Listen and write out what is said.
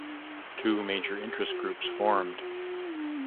Two major interest groups formed.